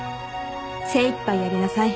精いっぱいやりなさい。